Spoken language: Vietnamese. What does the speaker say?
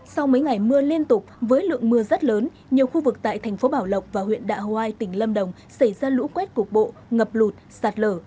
sau mấy ngày mưa liên tục với lượng mưa rất lớn nhiều khu vực tại thành phố bảo lộc và huyện đạ hoai tỉnh lâm đồng xảy ra lũ quét cục bộ ngập lụt sạt lở